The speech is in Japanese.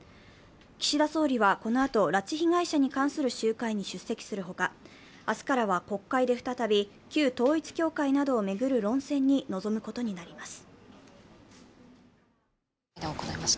岸田総理はこのあと拉致被害者に関する集会に出席するほか明日からは国会で再び、旧統一教会などを巡る論戦に臨むことになります。